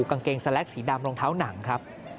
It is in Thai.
กางเกงสแล็กสีดำรองเท้าหนังครับ